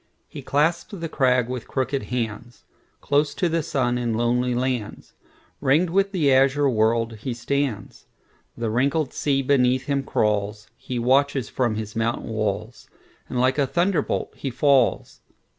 He clasps the crag with hooked hands; Close to the sun in lonely lands, Ring'd with the azure world, he stands. The wrinkled sea beneath him crawls; He watches from his mountain walls, And like a thunderbolt he falls.